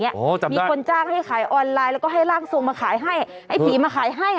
มีคนจ้างให้ขายออนไลน์แล้วก็ให้ร่างทรงมาขายให้ให้ผีมาขายให้